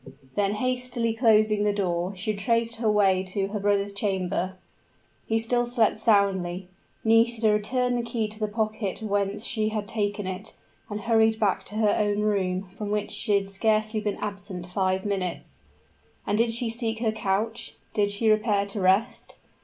Then, hastily closing the door, she retraced her way to her brother's chamber. He still slept soundly; Nisida returned the key to the pocket whence she had taken it, and hurried back to her own room, from which she had scarcely been absent five minutes. And did she seek her couch? did she repair to rest?